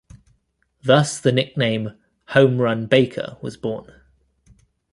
Thus the nickname "Home Run" Baker was born.